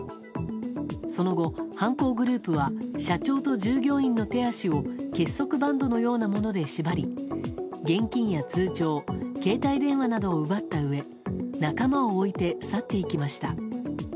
その後、犯行グループは社長と従業員の手足を結束バンドのようなもので縛り現金や通帳携帯電話などを奪ったうえ仲間を置いて去っていきました。